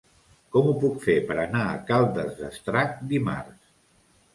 Com ho puc fer per anar a Caldes d'Estrac dimarts?